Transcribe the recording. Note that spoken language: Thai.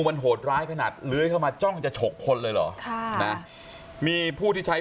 มันโหดร้ายขนาดเลื้อยเข้ามาจ้องจะฉกคนเลยเหรอค่ะนะมีผู้ที่ใช้